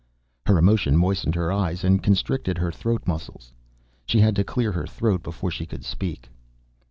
Her emotion moistened her eyes and constricted her throat muscles. She had to clear her throat before she could speak.